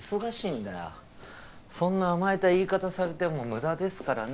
そんな甘えた言い方されても無駄ですからね